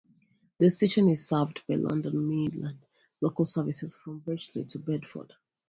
The station is served by London Midland local services from Bletchley to Bedford.